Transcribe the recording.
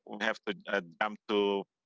saya pikir ada masalah